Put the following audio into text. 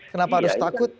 kenapa harus takut